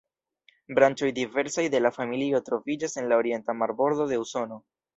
Branĉoj diversaj de la familio troviĝas en la Orienta marbordo de Usono.